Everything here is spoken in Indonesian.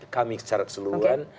kami secara keseluruhan